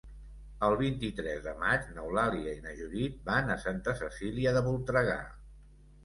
El vint-i-tres de maig n'Eulàlia i na Judit van a Santa Cecília de Voltregà.